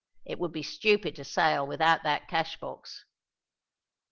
It would be stupid to sail without that cash box."